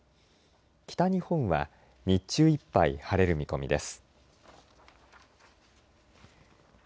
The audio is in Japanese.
北日本は日中いっぱい晴れる見込みです。